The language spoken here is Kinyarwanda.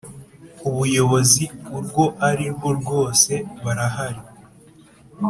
ubuyobozi urwo ari rwo rwose barahari